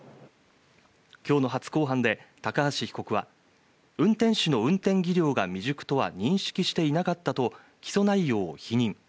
今日の初公判で高橋被告は、運転手の運転技量が未熟とは認識していなかったと起訴内容を否認。